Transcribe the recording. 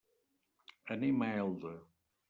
Anem a Elda.